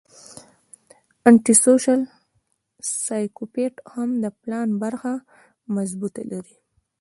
انټي سوشل سايکوپېت هم د پلان برخه مضبوطه لري